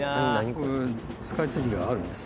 これスカイツリーがあるんです